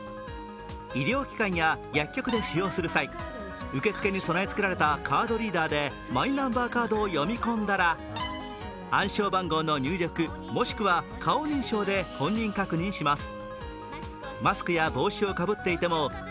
医療機関や薬局で使用する際、受け付けに備え付けられたカードリーダーでマイナンバーカードを読み込んだら暗証番号の入力もしくは顔認証で本人確認します。